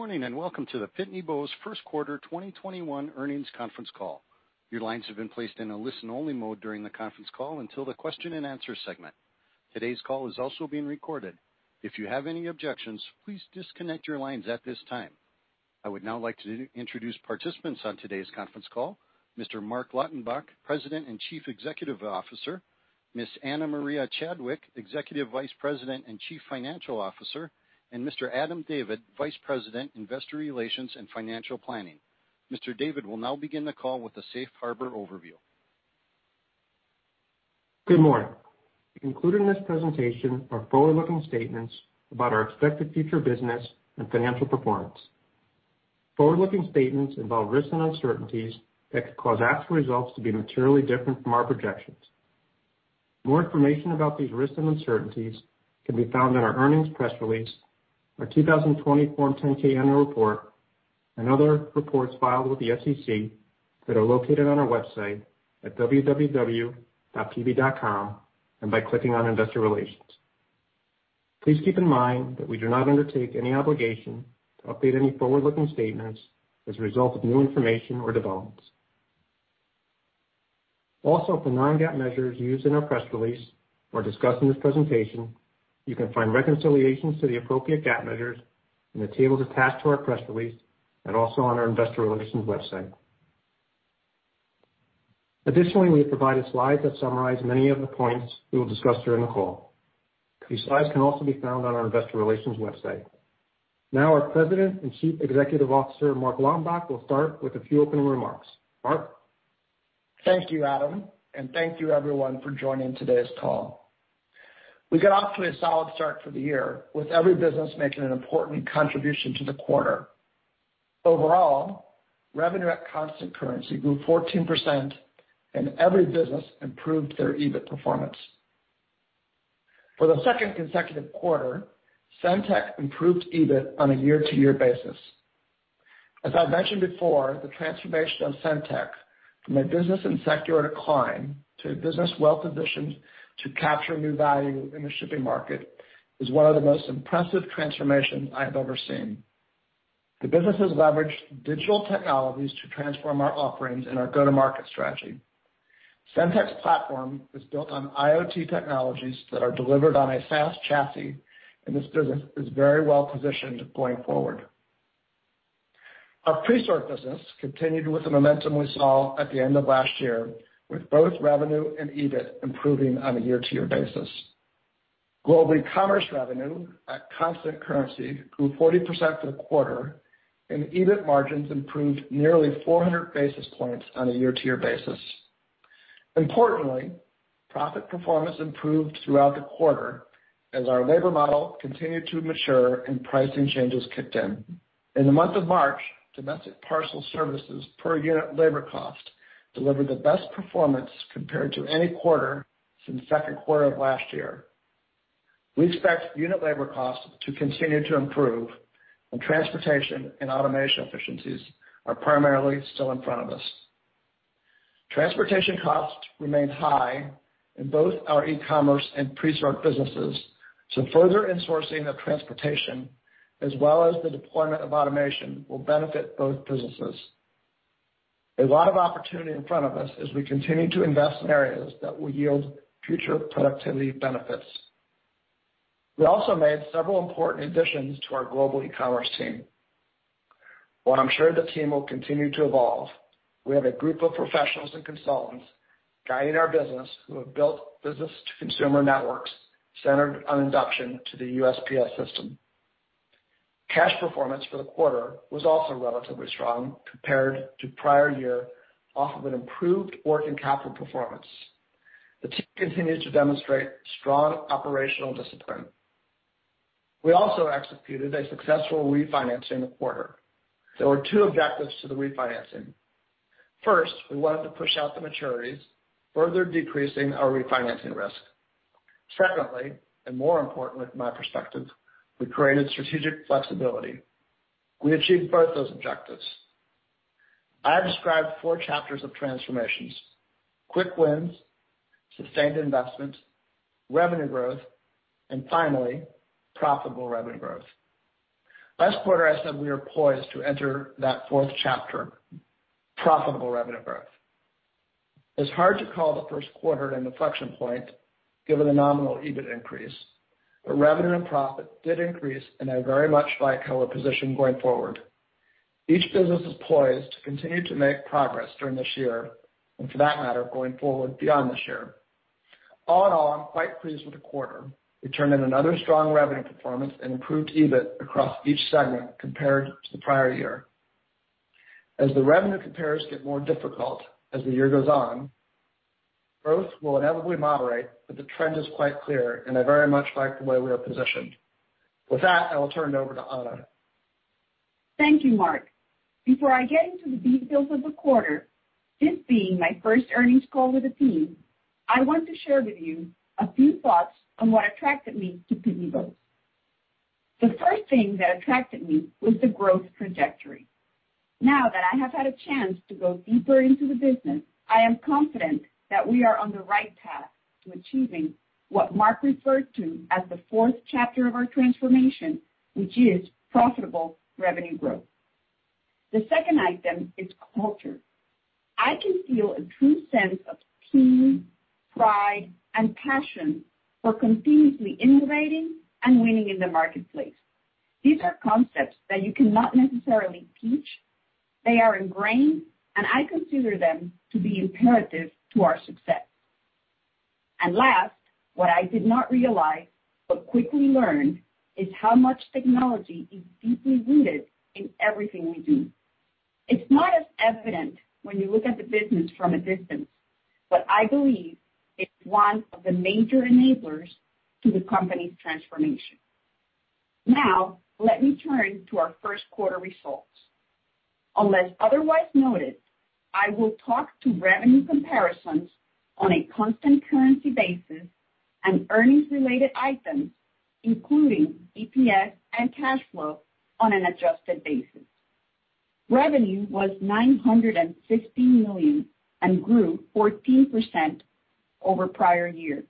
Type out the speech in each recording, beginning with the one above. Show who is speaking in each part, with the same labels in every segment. Speaker 1: Good morning. Welcome to the Pitney Bowes first quarter 2021 earnings conference call. Your lines have been placed in a listen-only mode during the conference call until the question and answer segment. Today's call is also being recorded. If you have any objections, please disconnect your lines at this time. I would now like to introduce participants on today's conference call, Mr. Marc Lautenbach, President and Chief Executive Officer, Ms. Ana Maria Chadwick, Executive Vice President and Chief Financial Officer, and Mr. Adam David, Vice President, Investor Relations and Financial Planning. Mr. David will now begin the call with a safe harbor overview.
Speaker 2: Good morning. Included in this presentation are forward-looking statements about our expected future business and financial performance. Forward-looking statements involve risks and uncertainties that could cause actual results to be materially different from our projections. More information about these risks and uncertainties can be found in our earnings press release, our 2020 Form 10-K Annual Report, and other reports filed with the SEC that are located on our website at www.pb.com, and by clicking on Investor Relations. Please keep in mind that we do not undertake any obligation to update any forward-looking statements as a result of new information or developments. Also, for non-GAAP measures used in our press release or discussed in this presentation, you can find reconciliations to the appropriate GAAP measures in the table attached to our press release and also on our Investor Relations website. Additionally, we have provided slides that summarize many of the points we will discuss during the call. These slides can also be found on our investor relations website. Our President and Chief Executive Officer, Marc Lautenbach, will start with a few opening remarks. Marc?
Speaker 3: Thank you, Adam, and thank you, everyone, for joining today's call. We got off to a solid start for the year, with every business making an important contribution to the quarter. Overall, revenue at constant currency grew 14%, and every business improved their EBIT performance. For the second consecutive quarter, SendTech improved EBIT on a year-to-year basis. As I've mentioned before, the transformation of SendTech from a business in secular decline to a business well-positioned to capture new value in the shipping market is one of the most impressive transformations I have ever seen. The business has leveraged digital technologies to transform our offerings and our go-to-market strategy. SendTech platform is built on IoT technologies that are delivered on a SaaS chassis, and this business is very well positioned going forward. Our Presort business continued with the momentum we saw at the end of last year, with both revenue and EBIT improving on a year-to-year basis. Global Ecommerce revenue at constant currency grew 40% for the quarter, and EBIT margins improved nearly 400 basis points on a year-to-year basis. Importantly, profit performance improved throughout the quarter as our labor model continued to mature and pricing changes kicked in. In the month of March, domestic parcel services per unit labor cost delivered the best performance compared to any quarter since the second quarter of last year. We expect unit labor cost to continue to improve, and transportation and automation efficiencies are primarily still in front of us. Transportation costs remain high in both our Ecommerce and Presort businesses, so further insourcing of transportation as well as the deployment of automation will benefit both businesses.
Speaker 1: A lot of opportunity in front of us as we continue to invest in areas that will yield future productivity benefits. We also made several important additions to our Global Ecommerce team. While I'm sure the team will continue to evolve, we have a group of professionals and consultants guiding our business who have built business-to-consumer networks centered on induction to the USPS system. Cash performance for the quarter was also relatively strong compared to prior year off of an improved working capital performance. The team continues to demonstrate strong operational discipline. We also executed a successful refinancing in the quarter. There were 2 objectives to the refinancing. First, we wanted to push out the maturities, further decreasing our refinancing risk. Secondly, and more importantly from my perspective, we created strategic flexibility. We achieved both those objectives. I described 4 chapters of transformtions. Quick wins, sustained investment, revenue growth, and finally, profitable revenue growth. Last quarter, I said we are poised to enter that fourth chapter, profitable revenue growth. It's hard to call the first quarter an inflection point given the nominal EBIT increase, but revenue and profit did increase, and I very much like how we're positioned going forward. Each business is poised to continue to make progress during this year, and for that matter, going forward beyond this year. All in all, I'm quite pleased with the quarter. We turned in another strong revenue performance and improved EBIT across each segment compared to the prior year. As the revenue compares get more difficult as the year goes on, growth will inevitably moderate, the trend is quite clear, and I very much like the way we are positioned. With that, I will turn it over to Ana.
Speaker 4: Thank you, Marc. Before I get into the details of the quarter, this being my first earnings call with the team, I want to share with you a few thoughts on what attracted me to Pitney Bowes. The first thing that attracted me was the growth trajectory. Now that I have had a chance to go deeper into the business, I am confident that we are on the right path to achieving what Marc referred to as the fourth chapter of our transformation, which is profitable revenue growth. The second item is culture. I can feel a true sense of team, pride, and passion for continuously innovating and winning in the marketplace. These are concepts that you cannot necessarily teach. They are ingrained, and I consider them to be imperative to our success. Last, what I did not realize but quickly learned is how much technology is deeply rooted in everything we do. It's not as evident when you look at the business from a distance, but I believe it's one of the major enablers to the company's transformation. Let me turn to our first quarter results. Unless otherwise noted, I will talk to revenue comparisons on a constant currency basis and earnings-related items, including EPS and cash flow, on an adjusted basis. Revenue was $916 million and grew 14% over prior year.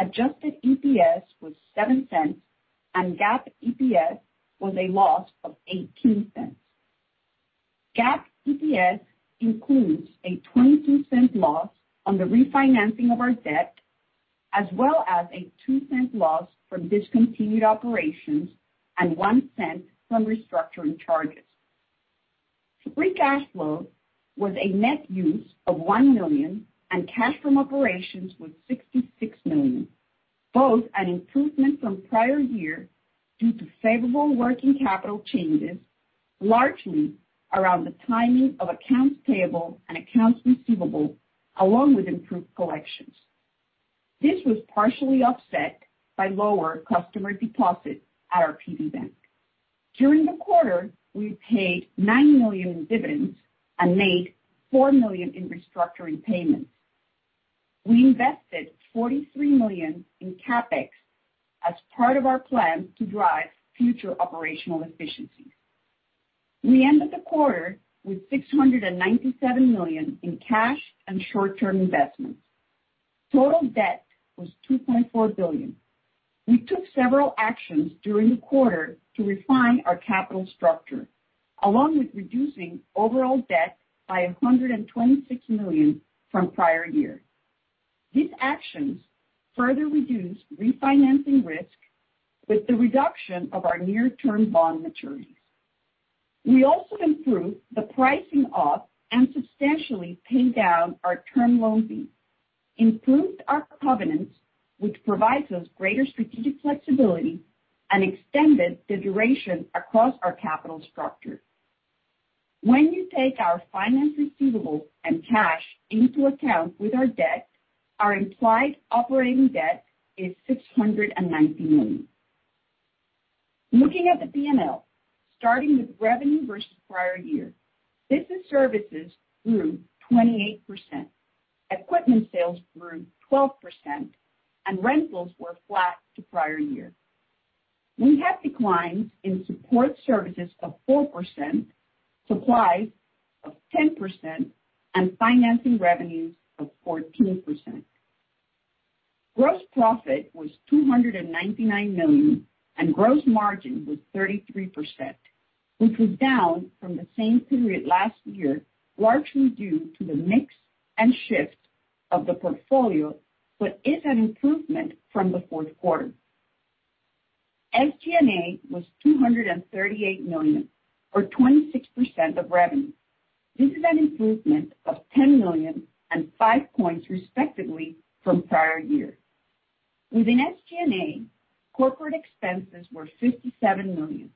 Speaker 4: Adjusted EPS was $0.07, and GAAP EPS was a loss of $0.18. GAAP EPS includes a $0.22 loss on the refinancing of our debt, as well as a $0.02 loss from discontinued operations and $0.01 from restructuring charges. Free cash flow was a net use of $1 million, and cash from operations was $66 million, both an improvement from prior year due to favorable working capital changes, largely around the timing of accounts payable and accounts receivable, along with improved collections. This was partially offset by lower customer deposits at our Pitney Bowes Bank. During the quarter, we paid $9 million in dividends and made $4 million in restructuring payments. We invested $43 million in CapEx as part of our plan to drive future operational efficiencies. We ended the quarter with $697 million in cash and short-term investments. Total debt was $2.4 billion. We took several actions during the quarter to refine our capital structure, along with reducing overall debt by $126 million from prior year. These actions further reduce refinancing risk with the reduction of our near-term bond maturities. We also improved the pricing of and substantially paid down our term loan B, improved our covenants, which provides us greater strategic flexibility, and extended the duration across our capital structure. When you take our finance receivables and cash into account with our debt, our implied operating debt is $690 million. Looking at the P&L, starting with revenue versus prior year, business services grew 28%, equipment sales grew 12%, and rentals were flat to prior year. We had declines in support services of 4%, supplies of 10%, and financing revenues of 14%. Gross profit was $299 million, and gross margin was 33%, which was down from the same period last year, largely due to the mix and shift of the portfolio, but is an improvement from the fourth quarter. SG&A was $238 million, or 26% of revenue. This is an improvement of $10 million and 5 points respectively from prior year. Within SG&A, corporate expenses were $57 million,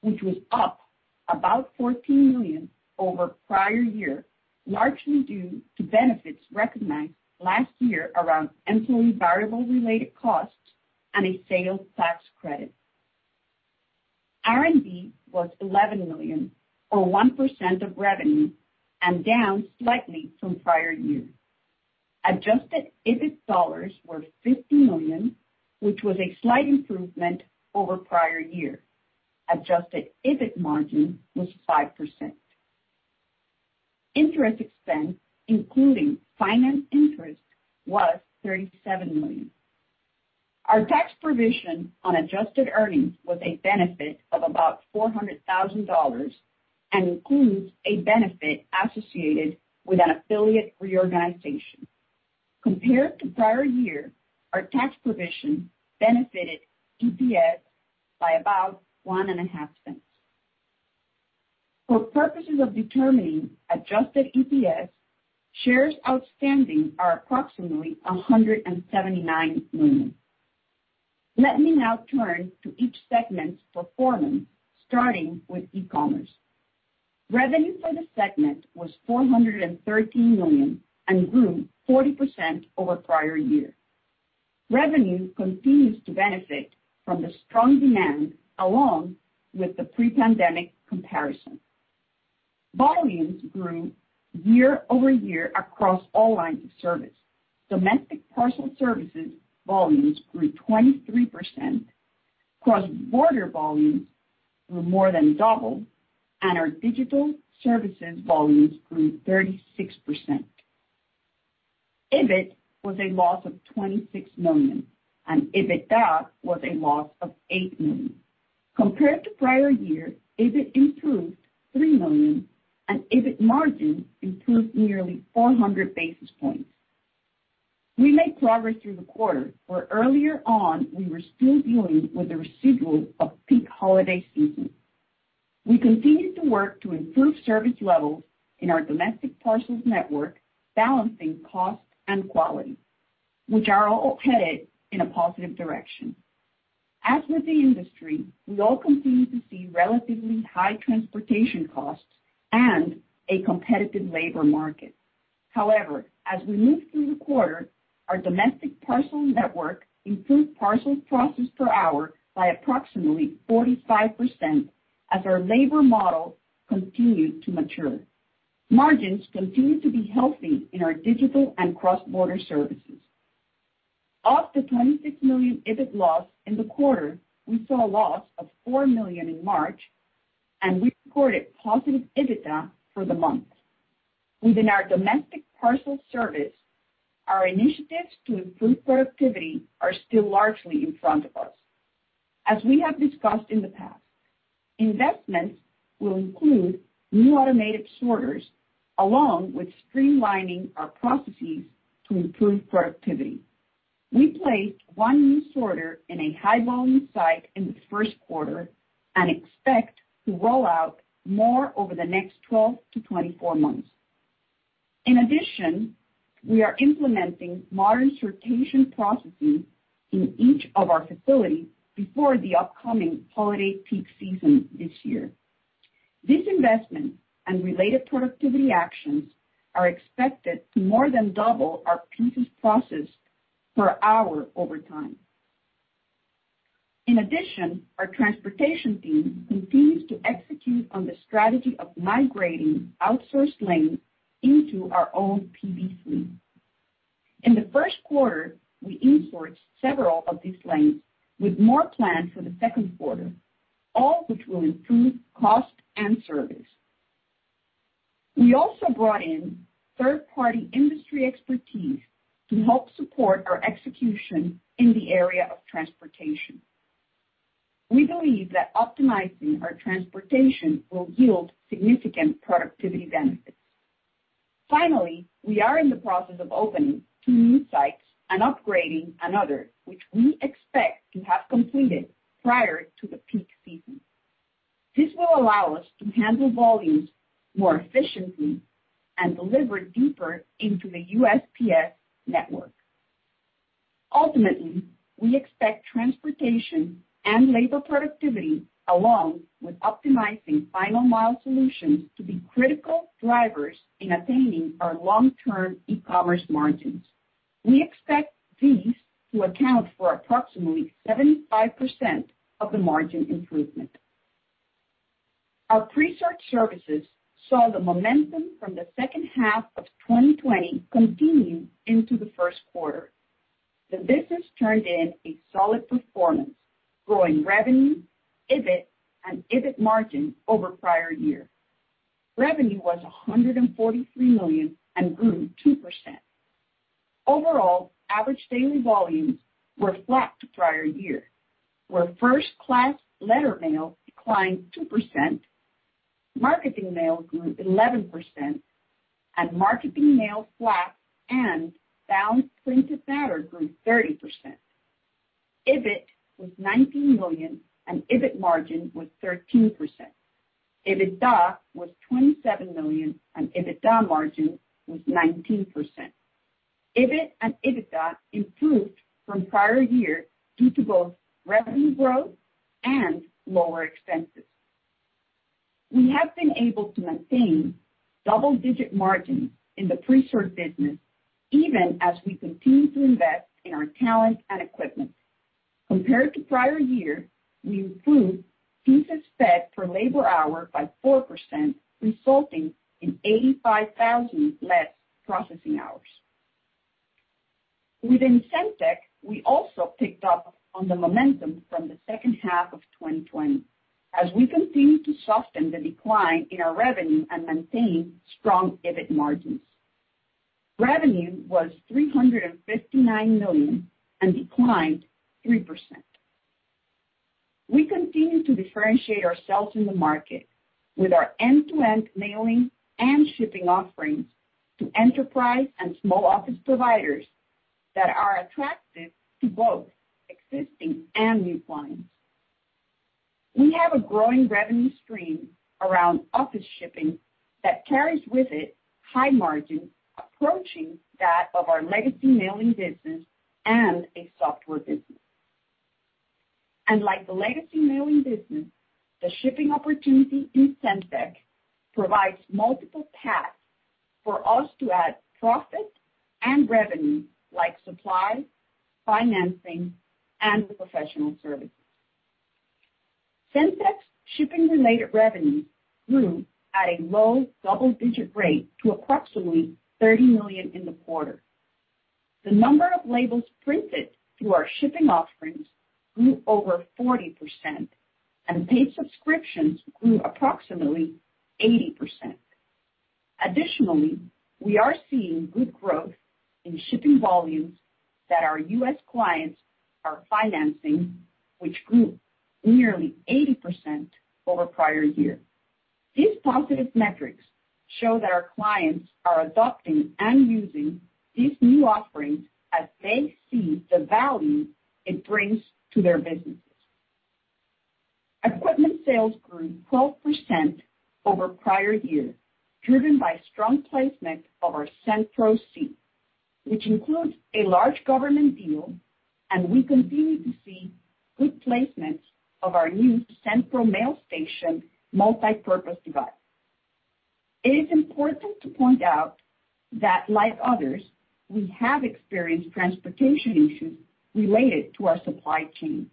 Speaker 4: which was up about $14 million over prior year, largely due to benefits recognized last year around employee variable-related costs and a sales tax credit. R&D was $11 million, or 1% of revenue, and down slightly from prior year. Adjusted EBIT dollars were $50 million, which was a slight improvement over prior year. Adjusted EBIT margin was 5%. Interest expense, including finance interest, was $37 million. Our tax provision on adjusted earnings was a benefit of about $400,000 and includes a benefit associated with an affiliate reorganization. Compared to prior year, our tax provision benefited EPS by about $0.015. For purposes of determining adjusted EPS, shares outstanding are approximately 179 million. Let me now turn to each segment's performance, starting with e-commerce. Revenue for the segment was $413 million and grew 40% over prior year. Revenue continues to benefit from the strong demand, along with the pre-pandemic comparison. Volumes grew year-over-year across all lines of service. Domestic parcel services volumes grew 23%. Cross-border volumes more than doubled, and our digital services volumes grew 36%. EBIT was a loss of $26 million, and EBITDA was a loss of $8 million. Compared to prior year, EBIT improved $3 million, and EBIT margin improved nearly 400 basis points. We made progress through the quarter, where earlier on, we were still dealing with the residual of peak holiday season. We continued to work to improve service levels in our domestic parcels network, balancing cost and quality, which are all headed in a positive direction. As with the industry, we all continue to see relatively high transportation costs and a competitive labor market. However, as we moved through the quarter, our domestic parcel network improved parcels processed per hour by approximately 45% as our labor model continued to mature. Margins continued to be healthy in our digital and cross-border services. Of the $26 million EBIT loss in the quarter, we saw a loss of $4 million in March, and we recorded positive EBITDA for the month. Within our domestic parcel service, our initiatives to improve productivity are still largely in front of us. As we have discussed in the past, investments will include new automated sorters, along with streamlining our processes to improve productivity. We placed one new sorter in a high-volume site in the first quarter and expect to roll out more over the next 12-24 months. In addition, we are implementing modern sortation processes in each of our facilities before the upcoming holiday peak season this year. These investments and related productivity actions are expected to more than double our pieces processed per hour over time. In addition, our transportation team continues to execute on the strategy of migrating outsourced lanes into our own PB fleet. In the first quarter, we in-sourced several of these lanes, with more planned for the second quarter, all which will improve cost and service. We also brought in third-party industry expertise to help support our execution in the area of transportation. We believe that optimizing our transportation will yield significant productivity benefits. Finally, we are in the process of opening two new sites and upgrading another, which we expect to have completed prior to the peak season. This will allow us to handle volumes more efficiently and deliver deeper into the USPS network. Ultimately, we expect transportation and labor productivity, along with optimizing final mile solutions, to be critical drivers in attaining our long-term e-commerce margins. We expect these to account for approximately 75% of the margin improvement. Our Presort Services saw the momentum from the second half of 2020 continue into the first quarter. The business turned in a solid performance, growing revenue, EBIT, and EBIT margin over prior year. Revenue was $143 million and grew 2%. Overall, average daily volumes were flat to prior year, where first-class letter mail declined 2%, marketing mail grew 11%, and marketing mail flat and balanced printed matter grew 30%. EBIT was $19 million, and EBIT margin was 13%. EBITDA was $27 million, and EBITDA margin was 19%. EBIT and EBITDA improved from prior year due to both revenue growth and lower expenses. We have been able to maintain double-digit margins in the Presort business, even as we continue to invest in our talent and equipment. Compared to prior year, we improved pieces fed per labor hour by 4%, resulting in 85,000 less processing hours. Within SendTech, we also picked up on the momentum from the second half of 2020, as we continue to soften the decline in our revenue and maintain strong EBIT margins. Revenue was $359 million and declined 3%. We continue to differentiate ourselves in the market with our end-to-end mailing and shipping offerings to enterprise and small office providers that are attractive to both existing and new clients. We have a growing revenue stream around office shipping that carries with it high margins approaching that of our legacy mailing business and a software business. Like the legacy mailing business, the shipping opportunity in SendTech provides multiple paths for us to add profit and revenue, like supply, financing, and professional services. SendTech shipping-related revenue grew at a low double-digit rate to approximately $30 million in the quarter. The number of labels printed through our shipping offerings grew over 40%, and paid subscriptions grew approximately 80%. Additionally, we are seeing good growth in shipping volumes that our U.S. clients are financing, which grew nearly 80% over prior year. These positive metrics show that our clients are adopting and using these new offerings as they see the value it brings to their businesses. Equipment sales grew 12% over prior year, driven by strong placement of our SendPro C, which includes a large government deal, and we continue to see good placement of our new SendPro Mailstation multipurpose device. It is important to point out that, like others, we have experienced transportation issues related to our supply chain.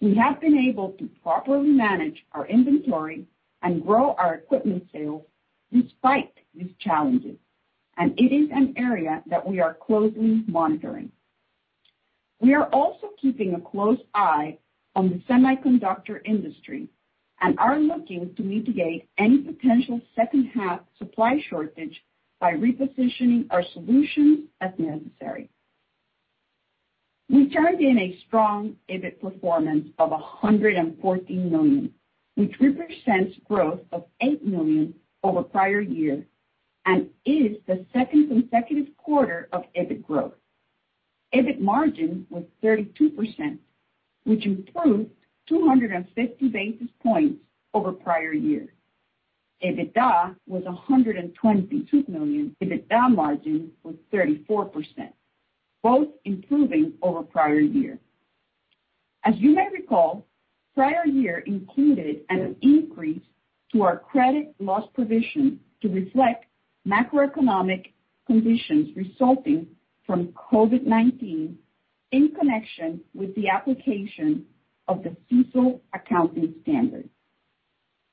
Speaker 4: We have been able to properly manage our inventory and grow our equipment sales despite these challenges, and it is an area that we are closely monitoring. We are also keeping a close eye on the semiconductor industry and are looking to mitigate any potential second half supply shortage by repositioning our solutions as necessary. We turned in a strong EBIT performance of $114 million, which represents growth of $8 million over prior year and is the second consecutive quarter of EBIT growth. EBIT margin was 32%, which improved 250 basis points over prior year. EBITDA was $122 million. EBITDA margin was 34%, both improving over prior year. As you may recall, prior year included an increase to our credit loss provision to reflect macroeconomic conditions resulting from COVID-19 in connection with the application of the CECL accounting standard.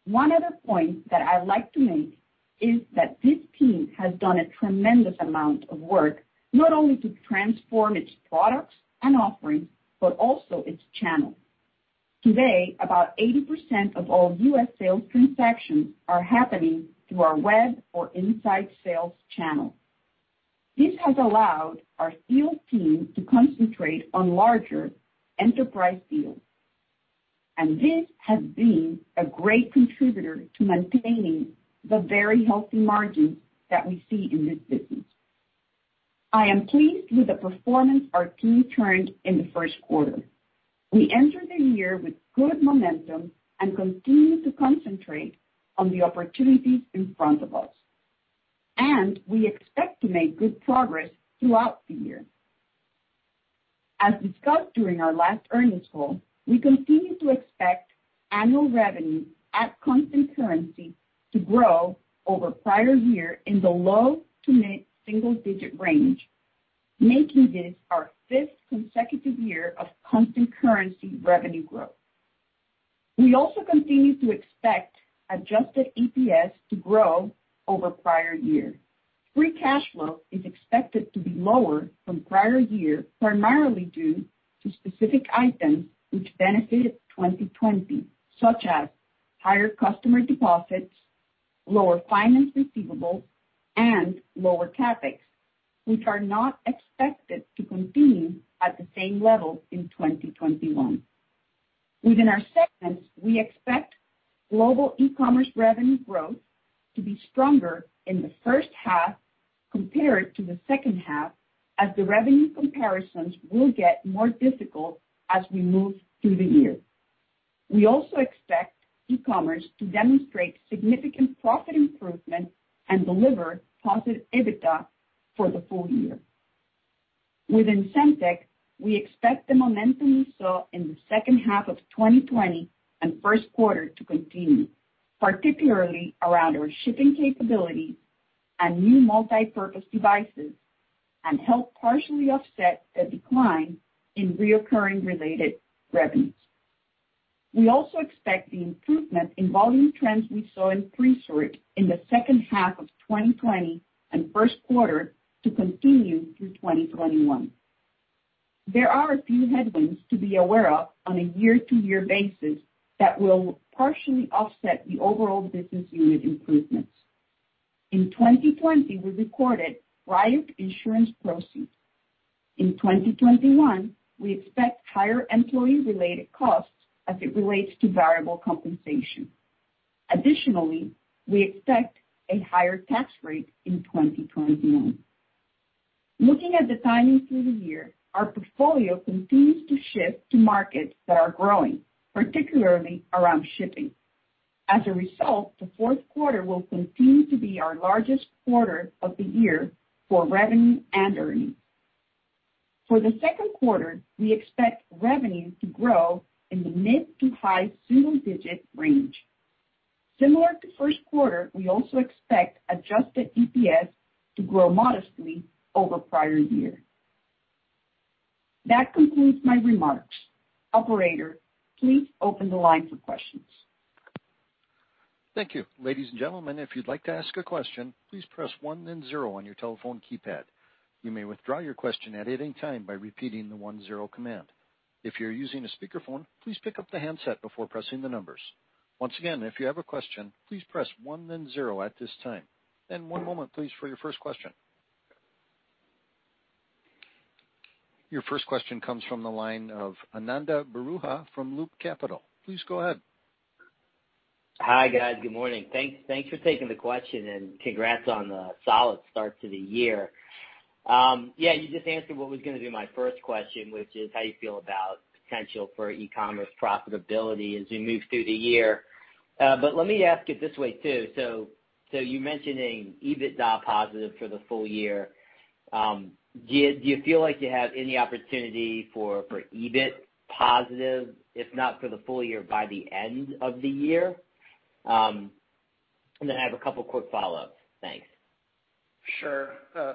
Speaker 4: One other point that I'd like to make is that this team has done a tremendous amount of work, not only to transform its products and offerings, but also its channel. Today, about 80% of all U.S. sales transactions are happening through our web or inside sales channel. This has allowed our field team to concentrate on larger enterprise deals, and this has been a great contributor to maintaining the very healthy margins that we see in this business. I am pleased with the performance our team turned in the first quarter. We enter the year with good momentum and continue to concentrate on the opportunities in front of us, and we expect to make good progress throughout the year. As discussed during our last earnings call, we continue to expect annual revenue at constant currency to grow over prior year in the low to mid single-digit range, making this our fifth consecutive year of constant currency revenue growth. We also continue to expect adjusted EPS to grow over prior year. Free cash flow is expected to be lower from prior year, primarily due to specific items which benefited 2020, such as higher customer deposits, lower finance receivables, and lower CapEx, which are not expected to continue at the same level in 2021. Within our segments, we expect Global Ecommerce revenue growth to be stronger in the first half compared to the second half, as the revenue comparisons will get more difficult as we move through the year. We also expect Ecommerce to demonstrate significant profit improvement and deliver positive EBITDA for the full year. Within SendTech, we expect the momentum we saw in the second half of 2020 and first quarter to continue, particularly around our shipping capability and new multipurpose devices, and help partially offset the decline in reoccurring related revenues. We also expect the improvement in volume trends we saw in Presort in the second half of 2020 and first quarter to continue through 2021. There are a few headwinds to be aware of on a year-to-year basis that will partially offset the overall business unit improvements. In 2020, we recorded riot insurance proceeds. In 2021, we expect higher employee-related costs as it relates to variable compensation. We expect a higher tax rate in 2021. Looking at the timing through the year, our portfolio continues to shift to markets that are growing, particularly around shipping. The fourth quarter will continue to be our largest quarter of the year for revenue and earnings. For the second quarter, we expect revenue to grow in the mid to high single-digit range. Similar to first quarter, we also expect adjusted EPS to grow modestly over prior year. That concludes my remarks. Operator, please open the line for questions.
Speaker 1: Thank you. Ladies and gentlemen, if you'd like to ask a question, please press one then zero on your telephone keypad. You may withdraw your question at any time by repeating the one-zero command. If you're using a speakerphone, please pick up the handset before pressing the numbers. Once again, if you have a question, please press one then zero at this time. One moment, please, for your first question. Your first question comes from the line of Ananda Baruah from Loop Capital. Please go ahead.
Speaker 5: Hi, guys. Good morning. Thanks for taking the question, and congrats on the solid start to the year. You just answered what was going to be my first question, which is how you feel about potential for e-commerce profitability as we move through the year. Let me ask it this way, too. You're mentioning EBITDA positive for the full year. Do you feel like you have any opportunity for EBIT positive, if not for the full year, by the end of the year? I have a couple quick follow-ups. Thanks.
Speaker 3: Sure.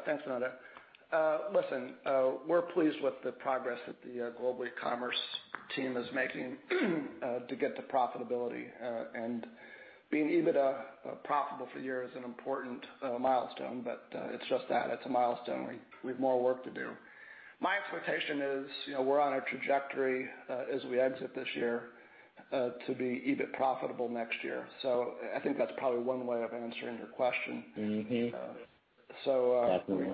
Speaker 3: Thanks, Ananda. Listen, we're pleased with the progress that the Global Ecommerce team is making to get to profitability. Being EBITDA profitable for a year is an important milestone, but it's just that. It's a milestone. We've more work to do. My expectation is we're on a trajectory as we exit this year to be EBIT profitable next year. I think that's probably one way of answering your question.
Speaker 5: Mm-hmm. Definitely.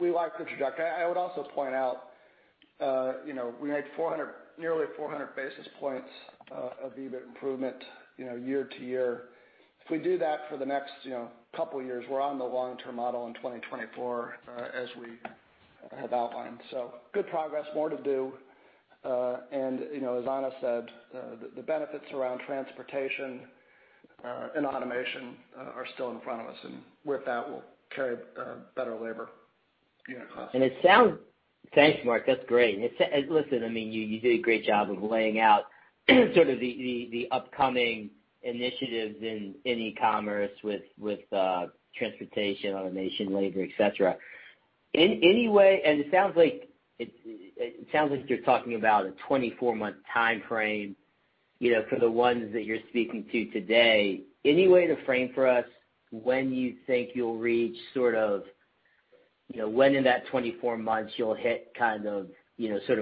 Speaker 3: We like the trajectory. I would also point out we made nearly 400 basis points of EBIT improvement year-to-year. If we do that for the next couple of years, we're on the long-term model in 2024 as we have outlined. Good progress, more to do. As Ana said, the benefits around transportation and automation are still in front of us, and with that will carry better labor unit costs.
Speaker 5: Thanks, Marc. That's great. Listen, you did a great job of laying out sort of the upcoming initiatives in e-commerce with transportation, automation, labor, et cetera. It sounds like you're talking about a 24-month timeframe for the ones that you're speaking to today. Any way to frame for us when you think you'll reach sort of when in that 24 months you'll hit kind of,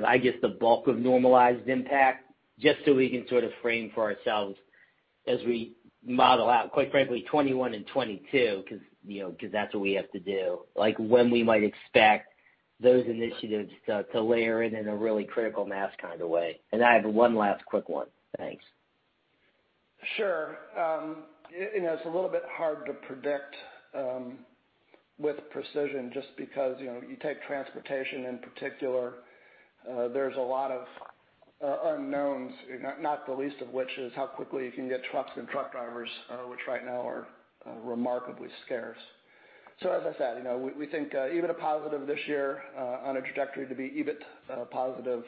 Speaker 5: I guess, the bulk of normalized impact, just so we can sort of frame for ourselves as we model out, quite frankly, 2021 and 2022 because that's what we have to do, like when we might expect those initiatives to layer in in a really critical mass kind of way? I have one last quick one. Thanks.
Speaker 3: Sure. It's a little bit hard to predict with precision just because you take transportation, in particular, there's a lot of unknowns, not the least of which is how quickly you can get trucks and truck drivers, which right now are remarkably scarce. As I said, we think EBITDA positive this year on a trajectory to be EBIT positive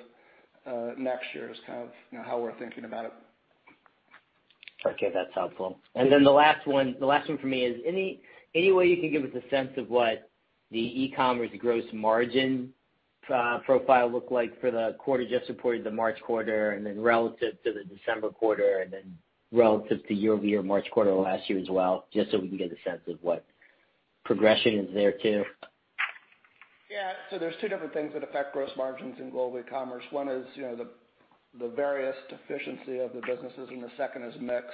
Speaker 3: next year is kind of how we're thinking about it.
Speaker 5: Okay. That's helpful. The last one from me is any way you can give us a sense of what the e-commerce gross margin profile looked like for the quarter just reported, the March quarter, relative to the December quarter and relative to year-over-year March quarter last year as well, just so we can get a sense of what progression is there too?
Speaker 3: There's two different things that affect gross margins in Global Ecommerce. One is the various efficiency of the businesses, and the second is mix.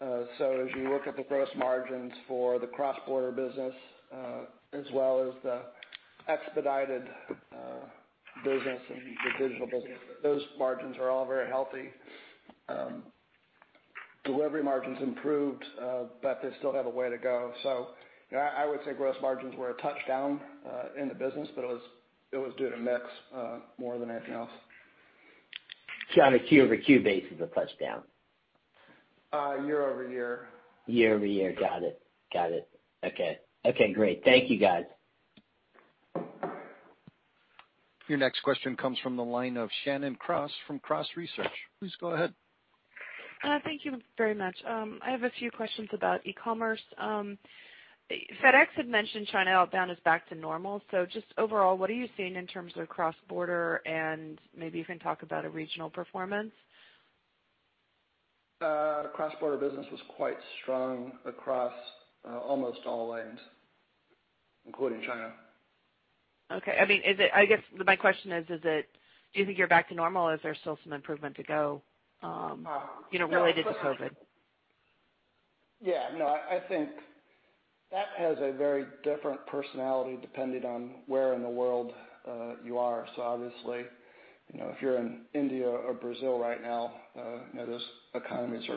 Speaker 3: As you look at the gross margins for the cross-border business as well as the expedited business and the digital business, those margins are all very healthy. Delivery margins improved, but they still have a way to go. I would say gross margins were a touchdown in the business, but it was due to mix more than anything else.
Speaker 5: Got it. Q over Q base is a touchdown.
Speaker 3: Year-over-year.
Speaker 5: Year-over-year. Got it. Okay. Great. Thank you guys.
Speaker 1: Your next question comes from the line of Shannon Cross from Cross Research. Please go ahead.
Speaker 6: Thank you very much. I have a few questions about e-commerce. FedEx had mentioned China outbound is back to normal. Just overall, what are you seeing in terms of cross-border? Maybe you can talk about a regional performance.
Speaker 3: Cross-border business was quite strong across almost all lanes, including China.
Speaker 6: Okay. I guess my question is, do you think you're back to normal? Is there still some improvement to go related to COVID?
Speaker 3: Yeah. No, I think that has a very different personality depending on where in the world you are. Obviously, if you're in India or Brazil right now, those economies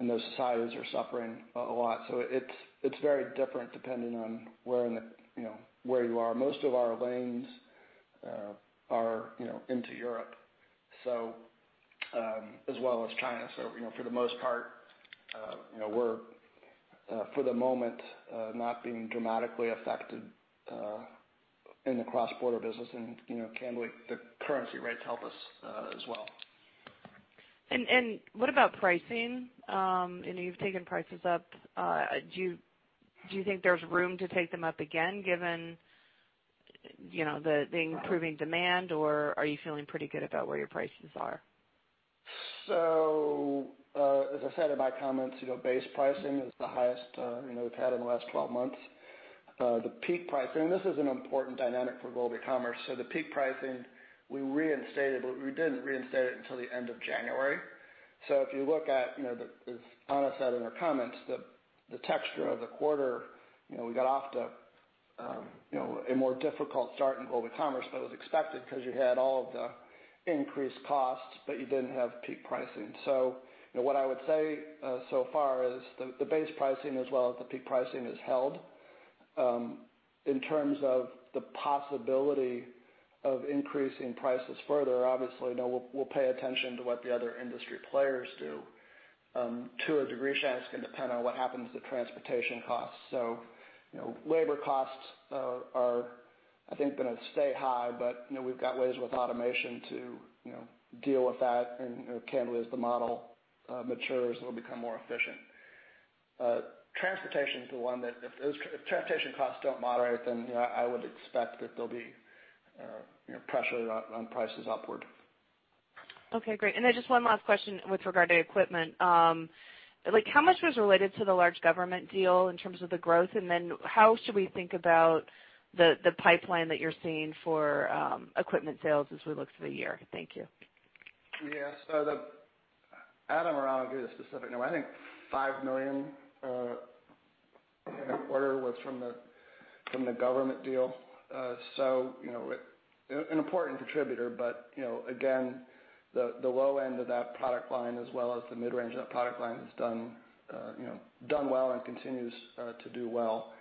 Speaker 3: and those societies are suffering a lot. It's very different depending on where you are. Most of our lanes are into Europe, as well as China. For the most part we're, for the moment, not being dramatically affected in the cross-border business. Candidly, the currency rates help us as well.
Speaker 6: What about pricing? I know you've taken prices up. Do you think there's room to take them up again given the improving demand, or are you feeling pretty good about where your prices are?
Speaker 3: As I said in my comments, base pricing is the highest we've had in the last 12 months. The peak pricing, this is an important dynamic for Global Ecommerce. The peak pricing, we reinstated, but we didn't reinstate it until the end of January. If you look at, as Ana said in her comments, the texture of the quarter, we got off to a more difficult start in Global Ecommerce, but it was expected because you had all of the increased costs, but you didn't have peak pricing. What I would say so far is the base pricing as well as the peak pricing has held. In terms of the possibility of increasing prices further, obviously, we'll pay attention to what the other industry players do. To a degree, Shannon, it's going to depend on what happens to transportation costs. Labor costs are, I think, going to stay high, but we've got ways with automation to deal with that. Candidly, as the model matures, it'll become more efficient. Transportation's the one that if transportation costs don't moderate, then I would expect that there'll be pressure on prices upward.
Speaker 6: Okay, great. Just one last question with regard to equipment. How much was related to the large government deal in terms of the growth, how should we think about the pipeline that you're seeing for equipment sales as we look to the year? Thank you.
Speaker 3: Yeah. Adam or I will give the specific number. I think $5 million in the quarter was from the government deal. An important contributor, but again, the low end of that product line as well as the mid-range of that product line has done well and continues to do well.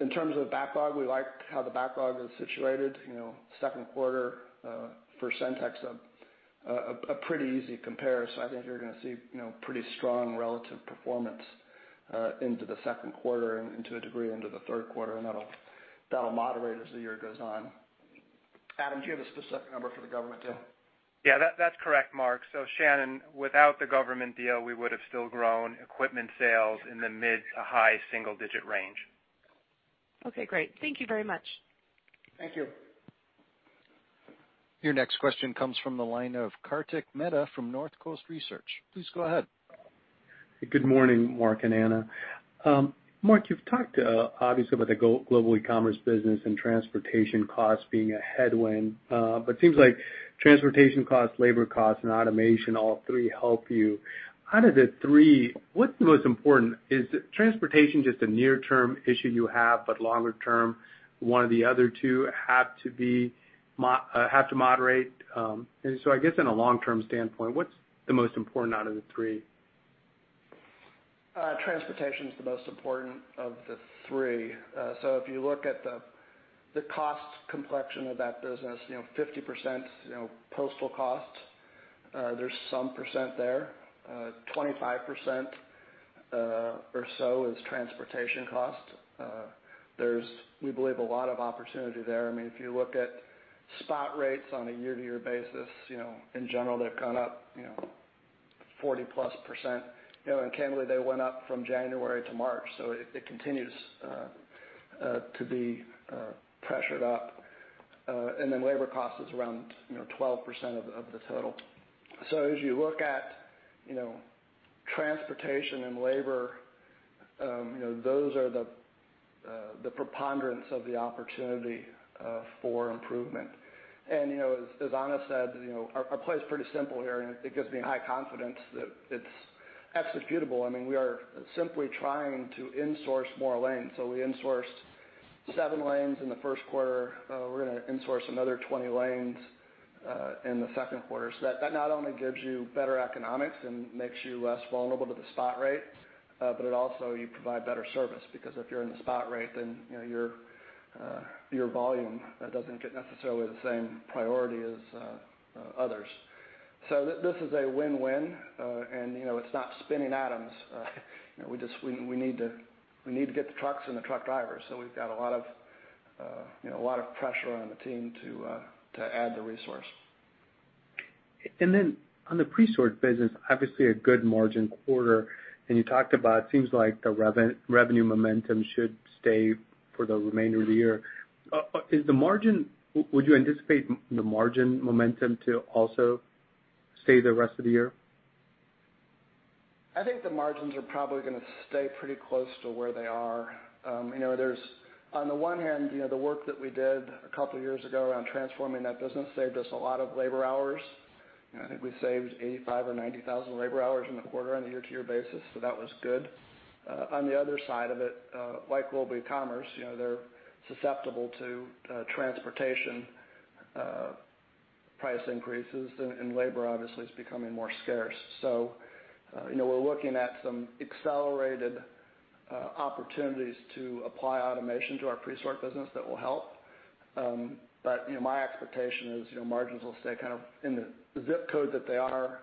Speaker 3: In terms of backlog, we like how the backlog is situated. Second quarter for SendTech, a pretty easy compare. I think you're going to see pretty strong relative performance into the second quarter and to a degree into the third quarter, and that'll moderate as the year goes on. Adam, do you have the specific number for the government deal?
Speaker 2: Yeah, that's correct, Marc. Shannon, without the government deal, we would've still grown equipment sales in the mid to high single-digit range.
Speaker 6: Okay, great. Thank you very much.
Speaker 3: Thank you.
Speaker 1: Your next question comes from the line of Kartik Mehta from Northcoast Research. Please go ahead.
Speaker 7: Good morning, Mark and Ana. Mark, you've talked obviously about the Global Ecommerce business and transportation costs being a headwind. Seems like transportation costs, labor costs, and automation, all three help you. Out of the three, what's the most important? Is transportation just a near-term issue you have, but longer term, one of the other two have to moderate? I guess in a long-term standpoint, what's the most important out of the three?
Speaker 3: Transportation's the most important of the three. If you look at the cost complexion of that business, 50% postal costs, there's some % there. 25% or so is transportation cost. There's, we believe, a lot of opportunity there. If you look at spot rates on a year-to-year basis, in general, they've gone up 40-plus%. Candidly, they went up from January to March, so it continues to be pressured up. Then labor cost is around 12% of the total. As you look at transportation and labor, those are the preponderance of the opportunity for improvement. As Ana said, our play is pretty simple here, and it gives me high confidence that it's executable. We are simply trying to insource more lanes. We insourced seven lanes in the first quarter. We're going to insource another 20 lanes in the second quarter. That not only gives you better economics and makes you less vulnerable to the spot rates, but it also, you provide better service because if you're in the spot rate, then your volume doesn't get necessarily the same priority as others. This is a win-win. And it's not spinning items. We need to get the trucks and the truck drivers. We've got a lot of pressure on the team to add the resource.
Speaker 7: On the Presort business, obviously a good margin quarter. You talked about, seems like the revenue momentum should stay for the remainder of the year. Would you anticipate the margin momentum to also stay the rest of the year?
Speaker 3: I think the margins are probably going to stay pretty close to where they are. On the one hand, the work that we did a couple of years ago around transforming that business saved us a lot of labor hours. I think we saved 85,000 or 90,000 labor hours in the quarter on a year-to-year basis. That was good. On the other side of it, like Global Ecommerce, they're susceptible to transportation price increases. Labor obviously is becoming more scarce. We're looking at some accelerated opportunities to apply automation to our Presort business that will help. My expectation is margins will stay kind of in the zip code that they are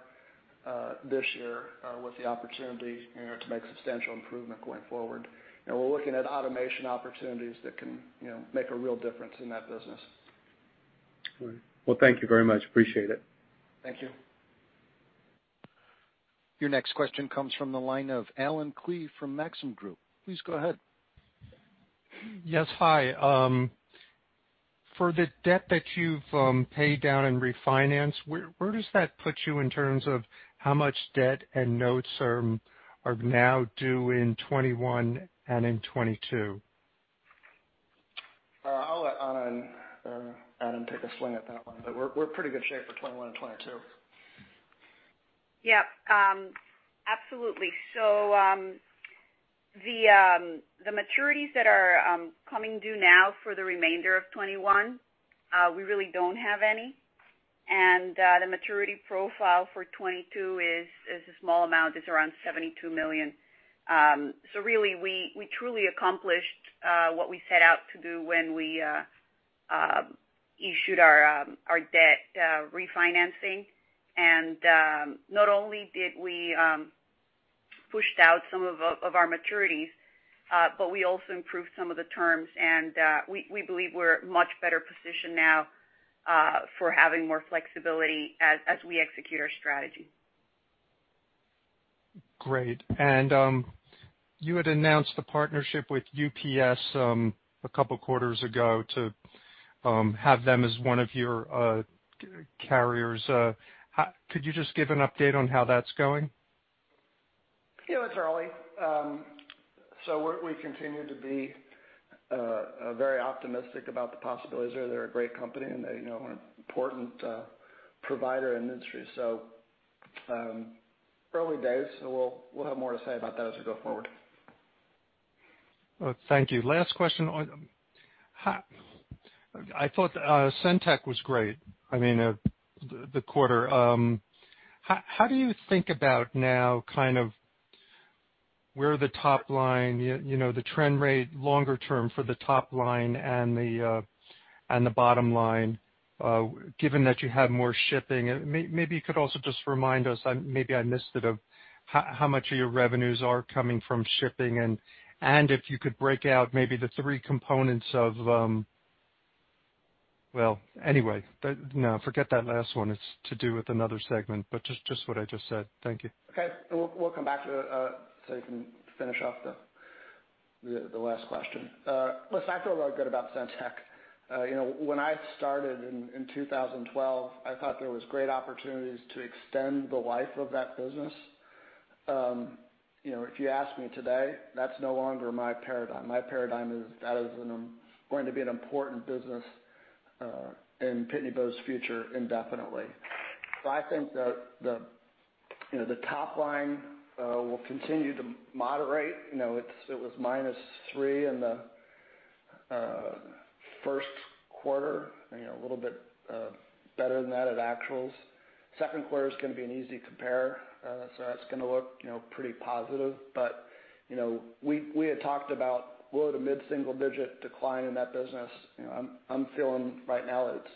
Speaker 3: this year with the opportunity to make substantial improvement going forward. We're looking at automation opportunities that can make a real difference in that business.
Speaker 7: All right. Well, thank you very much. Appreciate it.
Speaker 3: Thank you.
Speaker 1: Your next question comes from the line of Allen Klee from Maxim Group. Please go ahead.
Speaker 8: Yes, hi. For the debt that you've paid down and refinanced, where does that put you in terms of how much debt and notes are now due in 2021 and in 2022?
Speaker 3: I'll let Ana or Adam take a swing at that one, but we're in pretty good shape for 2021 and 2022.
Speaker 4: Yep. Absolutely. The maturities that are coming due now for the remainder of 2021, we really don't have any. The maturity profile for 2022 is a small amount, it's around $72 million. Really, we truly accomplished what we set out to do when we issued our debt refinancing. Not only did we push out some of our maturities, but we also improved some of the terms and we believe we're much better positioned now for having more flexibility as we execute our strategy.
Speaker 8: Great. You had announced the partnership with UPS a couple of quarters ago to have them as one of your carriers. Could you just give an update on how that's going?
Speaker 3: Yeah, it's early. We continue to be very optimistic about the possibilities there. They're a great company, and they're an important provider in the industry. Early days. We'll have more to say about that as we go forward.
Speaker 8: Thank you. Last question. I thought SendTech was great. I mean, the quarter. How do you think about now kind of where the top line, the trend rate longer term for the top line and the bottom line given that you have more shipping? Maybe you could also just remind us, maybe I missed it, of how much of your revenues are coming from shipping. And if you could break out maybe the three components of Well, anyway, no, forget that last one. It's to do with another segment, but just what I just said. Thank you.
Speaker 3: Okay. We'll come back to you so you can finish off the last question. Listen, I feel real good about SendTech. When I started in 2012, I thought there was great opportunities to extend the life of that business. If you ask me today, that's no longer my paradigm. My paradigm is that is going to be an important business in Pitney Bowes' future indefinitely. I think that the top line will continue to moderate. It was -3% in the first quarter. A little bit better than that at actuals. Second quarter's going to be an easy compare, so that's going to look pretty positive. We had talked about low- to mid-single-digit decline in that business. I'm feeling right now that it's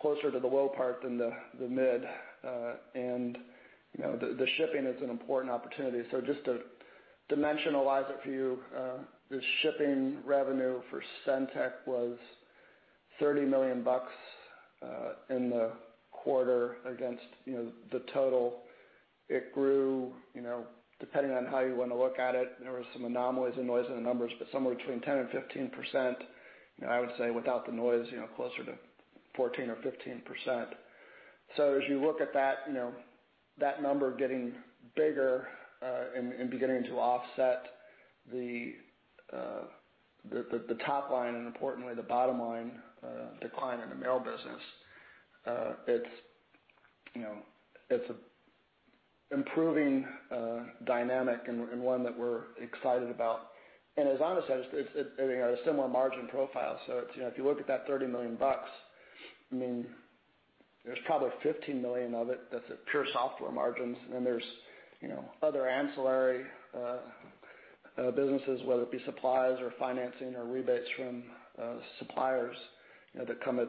Speaker 3: closer to the low part than the mid. The SendTech shipping is an important opportunity. Just to dimensionalize it for you, the shipping revenue for SendTech was $30 million in the quarter against the total. It grew, depending on how you want to look at it, there were some anomalies and noise in the numbers, but somewhere between 10%-15%. I would say without the noise, closer to 14% or 15%. As you look at that number getting bigger and beginning to offset the top line and importantly, the bottom-line decline in the mail business, it's an improving dynamic and one that we're excited about. As Ana said, it has a similar margin profile. If you look at that $30 million, there's probably $15 million of it that's pure software margins. There's other ancillary businesses, whether it be supplies or financing or rebates from suppliers that come at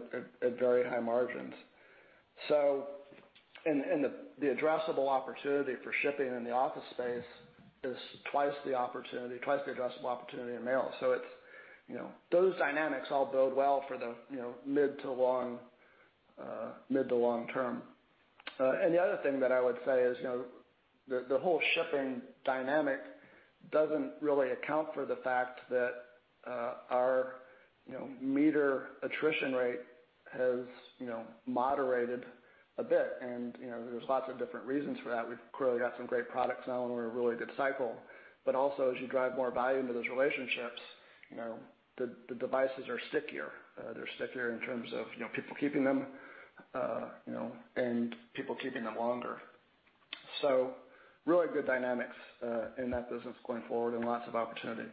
Speaker 3: very high margins. The addressable opportunity for shipping in the office space is twice the addressable opportunity in mail. Those dynamics all bode well for the mid to long term. The other thing that I would say is the whole shipping dynamic doesn't really account for the fact that our meter attrition rate has moderated a bit. There's lots of different reasons for that. We've clearly got some great products now and we're in a really good cycle. Also, as you drive more value into those relationships, the devices are stickier. They're stickier in terms of people keeping them and people keeping them longer. Really good dynamics in that business going forward and lots of opportunity.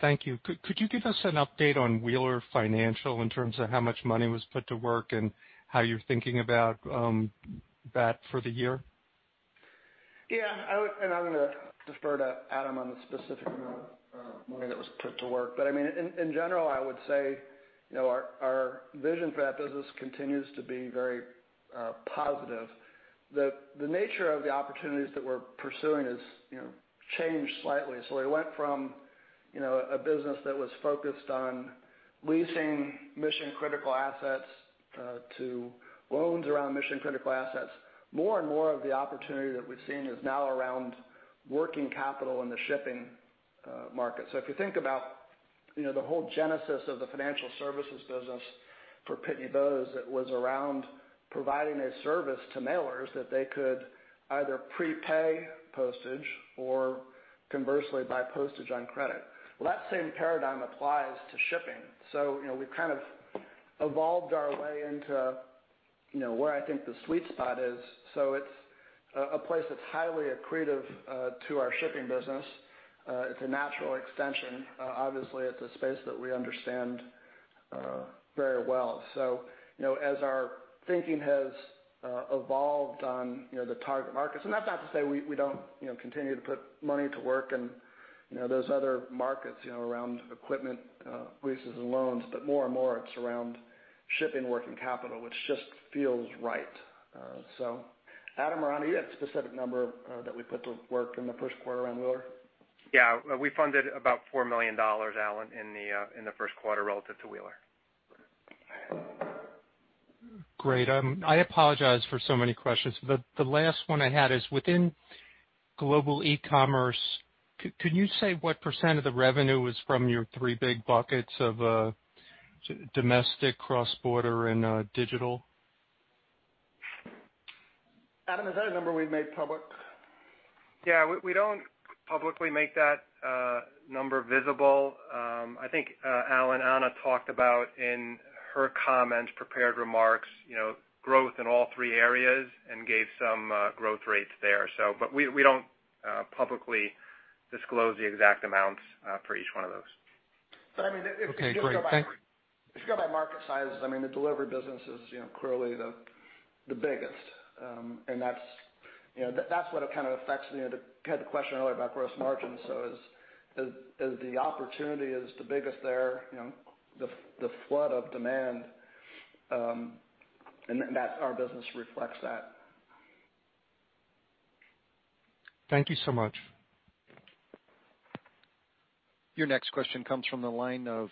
Speaker 8: Thank you. Could you give us an update on Wheeler Financial in terms of how much money was put to work and how you're thinking about that for the year?
Speaker 3: Yeah. I'm going to defer to Adam on the specific amount of money that was put to work. In general, I would say our vision for that business continues to be very positive. The nature of the opportunities that we're pursuing has changed slightly. It went from a business that was focused on leasing mission-critical assets to loans around mission-critical assets. More and more of the opportunity that we're seeing is now around working capital in the shipping market. If you think about the whole genesis of the financial services business for Pitney Bowes, it was around providing a service to mailers that they could either prepay postage or conversely, buy postage on credit. Well, that same paradigm applies to shipping. We've kind of evolved our way into where I think the sweet spot is. It's a place that's highly accretive to our shipping business. It's a natural extension. Obviously, it's a space that we understand very well. As our thinking has evolved on the target markets, and that's not to say we don't continue to put money to work in those other markets around equipment leases and loans. More and more, it's around shipping working capital, which just feels right. Adam or Ana, you have a specific number that we put to work in the first quarter on Wheeler?
Speaker 2: Yeah. We funded about $4 million, Alan, in the first quarter relative to Wheeler.
Speaker 8: Great. I apologize for so many questions, but the last one I had is within Global Ecommerce, could you say what % of the revenue was from your three big buckets of domestic, cross-border, and digital?
Speaker 3: Adam, is that a number we've made public?
Speaker 2: Yeah, we don't publicly make that number visible. I think, Allen Klee, and Ana Maria Chadwick talked about, in her comments, prepared remarks, growth in all three areas, and gave some growth rates there. We don't publicly disclose the exact amounts for each one of those.
Speaker 8: Okay, great. Thank you.
Speaker 3: If you go by market sizes, the delivery business is clearly the biggest. That's what it kind of affects, you had the question earlier about gross margins. As the opportunity is the biggest there, the flood of demand, and our business reflects that.
Speaker 8: Thank you so much.
Speaker 1: Your next question comes from the line of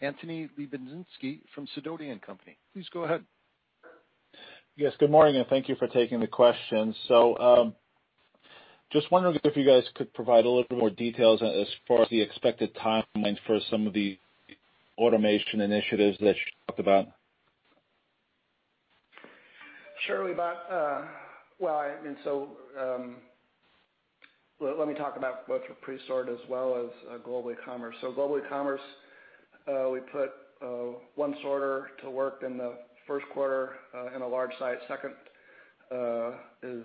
Speaker 1: Anthony Lebiedzinski from Sidoti & Company. Please go ahead.
Speaker 9: Yes, good morning. Thank you for taking the questions. Just wondering if you guys could provide a little bit more details as far as the expected timelines for some of the automation initiatives that you talked about.
Speaker 3: Sure, Lebot. Well, let me talk about both Presort as well as Global Ecommerce. Global Ecommerce, we put one sorter to work in the first quarter in a large site. Second is,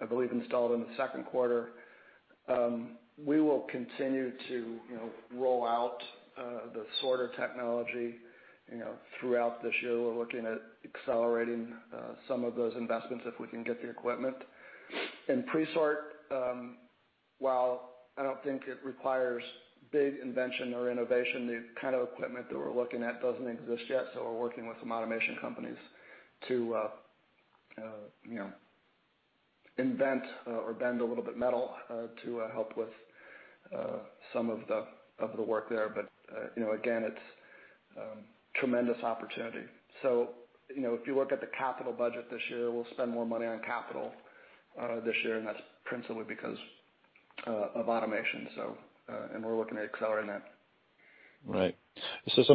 Speaker 3: I believe, installed in the second quarter. We will continue to roll out the sorter technology throughout this year. We're looking at accelerating some of those investments if we can get the equipment. In Presort, while I don't think it requires big invention or innovation, the kind of equipment that we're looking at doesn't exist yet, we're working with some automation companies to invent or bend a little bit metal to help with some of the work there. Again, it's a tremendous opportunity. If you look at the capital budget this year, we'll spend more money on capital this year, and that's principally because of automation, and we're looking at accelerating that.
Speaker 9: Right.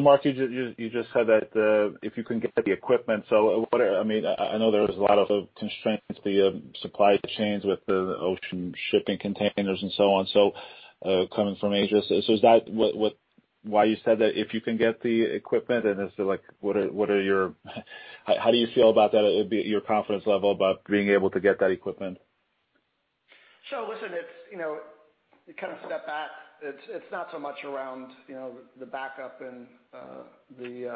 Speaker 9: Marc, you just said that if you can get the equipment, I know there is a lot of constraints, the supply chains with the ocean shipping containers and so on. Coming from Asia, is that why you said that if you can get the equipment, how do you feel about that? Your confidence level about being able to get that equipment?
Speaker 3: Listen, kind of step back. It's not so much around the backup in the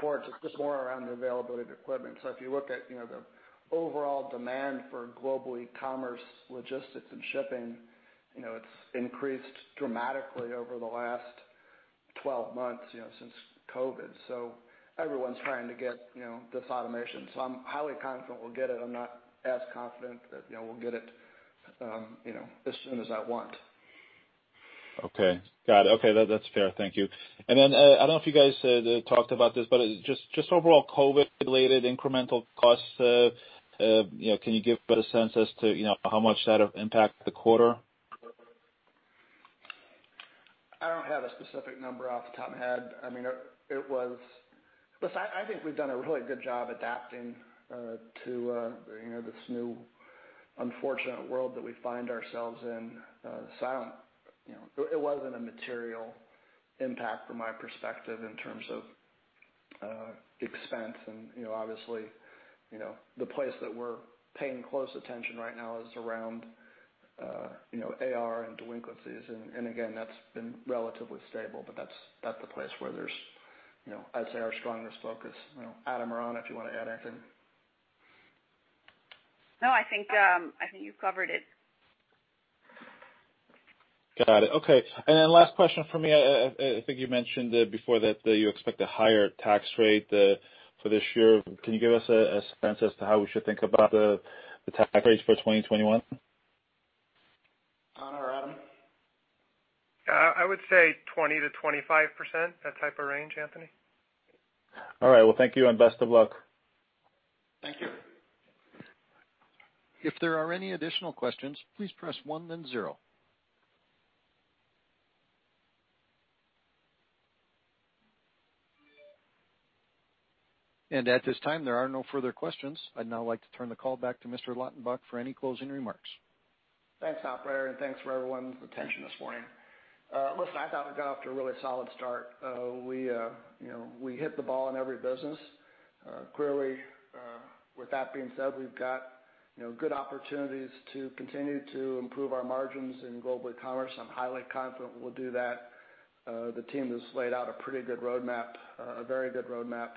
Speaker 3: ports, it's just more around the availability of equipment. If you look at the overall demand for Global Ecommerce, logistics, and shipping, it's increased dramatically over the last 12 months since COVID. Everyone's trying to get this automation. I'm highly confident we'll get it. I'm not as confident that we'll get it as soon as I want.
Speaker 9: Okay. Got it. Okay. That's fair. Thank you. I don't know if you guys talked about this, but just overall COVID-related incremental costs, can you give a better sense as to how much that impacted the quarter?
Speaker 3: I don't have a specific number off the top of my head. Listen, I think we've done a really good job adapting to this new unfortunate world that we find ourselves in. It wasn't a material impact from my perspective in terms of expense. Obviously, the place that we're paying close attention right now is around AR and delinquencies. Again, that's been relatively stable, but that's the place where there's, I'd say, our strongest focus. Adam or Ana, if you want to add anything.
Speaker 4: No, I think you've covered it.
Speaker 9: Got it. Okay. Last question from me. I think you mentioned before that you expect a higher tax rate for this year. Can you give us a sense as to how we should think about the tax rates for 2021?
Speaker 3: Ana or Adam?
Speaker 2: I would say 20%-25%, that type of range, Anthony.
Speaker 9: All right. Well, thank you, and best of luck.
Speaker 1: Thank you. If there are any additional questions, please press one then zero. At this time, there are no further questions. I'd now like to turn the call back to Mr. Lautenbach for any closing remarks.
Speaker 3: Thanks, operator, and thanks for everyone's attention this morning. Listen, I thought we got off to a really solid start. We hit the ball in every business. Clearly, with that being said, we've got good opportunities to continue to improve our margins in Global Ecommerce. I'm highly confident we'll do that. The team has laid out a pretty good roadmap, a very good roadmap,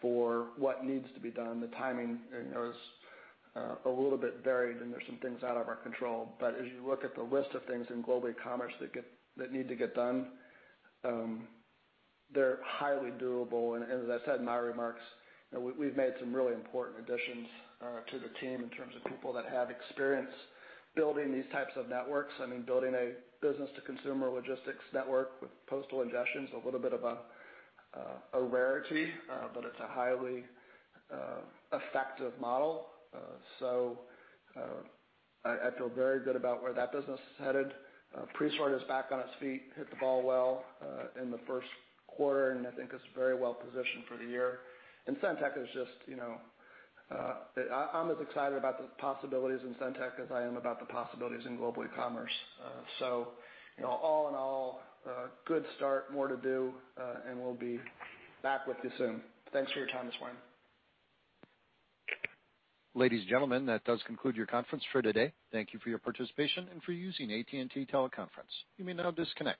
Speaker 3: for what needs to be done. The timing is a little bit varied, and there's some things out of our control. As you look at the list of things in Global Ecommerce that need to get done, they're highly doable. As I said in my remarks, we've made some really important additions to the team in terms of people that have experience building these types of networks. Building a business to consumer logistics network with postal ingestion's a little bit of a rarity, but it's a highly effective model. I feel very good about where that business is headed. Presort is back on its feet, hit the ball well in the first quarter, and I think it's very well positioned for the year. SendTech, I'm as excited about the possibilities in SendTech as I am about the possibilities in Global Ecommerce. All in all, good start. More to do, and we'll be back with you soon. Thanks for your time this morning.
Speaker 1: Ladies and gentlemen, that does conclude your conference for today. Thank you for your participation and for using AT&T Teleconference. You may now disconnect.